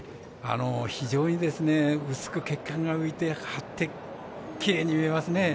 非常に薄く血管が浮いて、張ってきれいに見えますね。